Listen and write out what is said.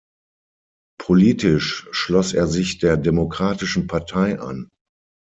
Politisch schloss er sich der Demokratischen Partei an.